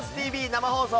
生放送。